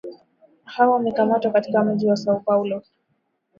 hao wamekamatwa katika mji wa Sao Paulo